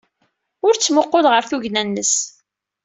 Ur ttmuqqul ɣer tugna-nnes!